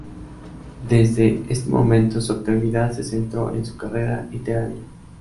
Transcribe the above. Desde este momento, su actividad se centró en su carrera literaria.